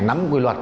nắm quy luật